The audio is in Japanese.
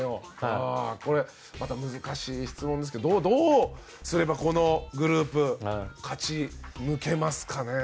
また難しい質問ですがどうすればこのグループ勝ち抜けますか？